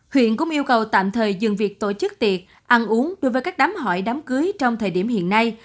huyện cũng yêu cầu tạm thời dừng việc tổ chức tiệc ăn uống đối với các đám hỏi đám cưới trong thời điểm hiện nay